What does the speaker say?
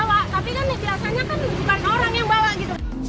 tapi kan biasanya kan banyak orang yang bawa gitu